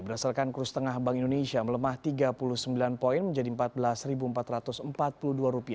berdasarkan kurs tengah bank indonesia melemah rp tiga puluh sembilan poin menjadi rp empat belas empat ratus empat puluh dua